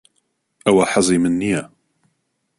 ئەوە حەزی من نییە.